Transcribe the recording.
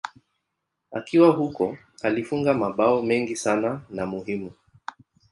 Akiwa huko alifunga mabao mengi sana na muhimu.